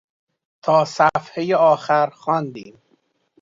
تا صفحهٔ آخر خواندیم.